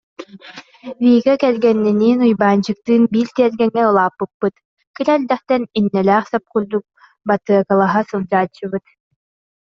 Вика кэргэниниин Уйбаанчыктыын биир тиэргэҥҥэ улааппыппыт, кыра эрдэхтэн иннэлээх сап курдук батыаккалаһа сылдьааччыбыт